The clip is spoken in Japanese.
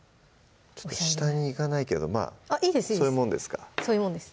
下にいかないけどまぁそういうもんですかそういうもんです